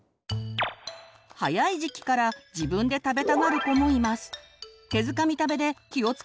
早い時期から自分で食べたがる子もいます。